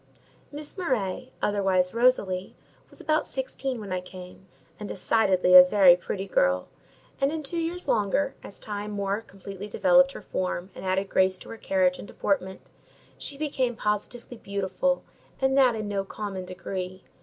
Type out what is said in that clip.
Miss Murray, otherwise Rosalie, was about sixteen when I came, and decidedly a very pretty girl; and in two years longer, as time more completely developed her form and added grace to her carriage and deportment, she became positively beautiful; and that in no common degree.